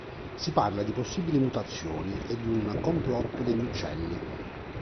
Si parla di possibili mutazioni e di un complotto degli uccelli.